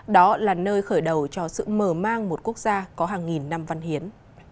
đó là nơi khởi đầu cho sự mở mang một quốc gia có hàng nghìn năm văn hiến